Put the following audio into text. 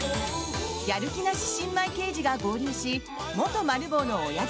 やる気なし新米刑事が合流し元マル暴のおやじ